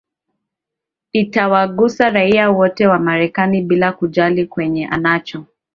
itawagusa raia wote wa marekani bila kujali mwenye anacho